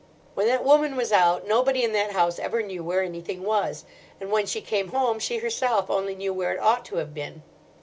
When that woman was out, nobody in that house ever knew where anything was; and when she came home she herself only knew where it ought to have been.